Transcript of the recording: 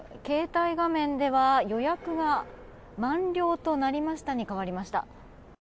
携帯画面では予約が満了となりましたに変わりました。